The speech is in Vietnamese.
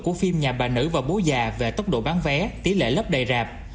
của phim nhà bà nữ và bố già về tốc độ bán vé tỷ lệ lớp đầy rạp